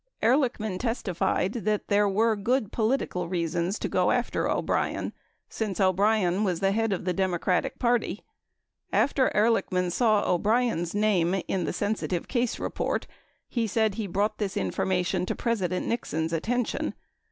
19 Ehrlichman testified that there were good political reasons to go after O'Brien since O'Brien was the head of the Democratic party. After Ehrlichman saw O'Brien's name in the sensitive case report, he said he brought this information to President Nixon's attention.